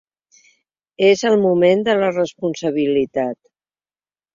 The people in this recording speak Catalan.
És el moment de la responsabilitat.